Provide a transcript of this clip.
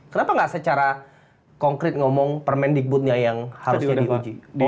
kenapa nggak secara konkret ngomong permendikbudnya yang harusnya diuji